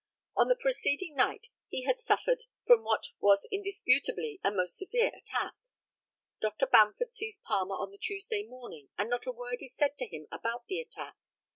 On the preceding night he had suffered from what was indisputably a most severe attack. Dr. Bamford sees Palmer on the Tuesday morning, and not a word is said to him about that attack.